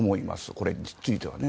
これについては。